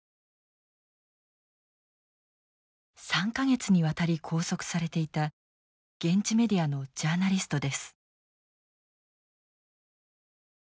３か月にわたり拘束されていた現地メディアのジャーナリストです。